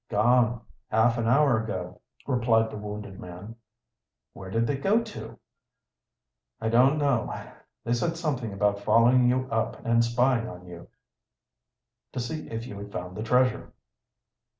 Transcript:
"Gone, half an hour ago," replied the wounded man. "Where did they go to?" "I don't know. They said something about following you up and spying on you, to see if you had found the treasure."